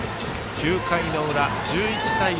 ９回の裏、１１対１。